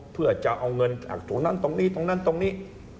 เพื่อจะเอาเงินจากตรงนั้นตรงนี้ตรงนั้นตรงนี้